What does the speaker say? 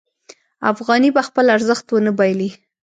افغانۍ به خپل ارزښت ونه بایلي.